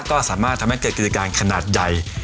ก็สามารถทำให้เกิดกิจการขนาดใหญ่